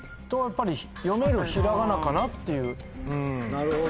なるほど。